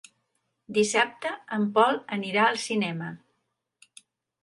Dissabte en Pol anirà al cinema.